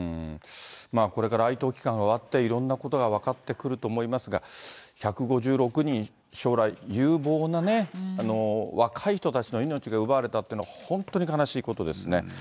これから哀悼期間が終わって、いろんなことが分かってくると思いますが、１５６人、将来有望なね、若い人たちの命が奪われたっていうのは本当に悲しいことですね。